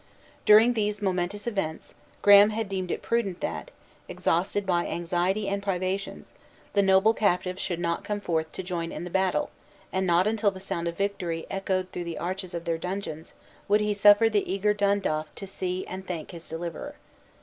During these momentous events, Graham had deemed it prudent that, exhausted by anxiety and privations, the noble captives should not come forth to join in the battle; and not until the sound of victory echoed through the arches of their dungeons, would he suffer the eager Dundaff to see and thank his deliverer.